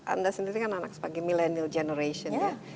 anda sendiri kan anak sebagai millennial generation ya